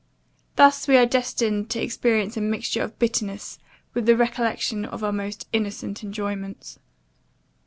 Thus are we destined to experience a mixture of bitterness, with the recollection of our most innocent enjoyments.